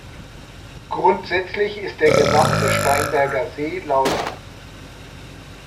Grundsätzlich ist der gesamte Steinberger See lt.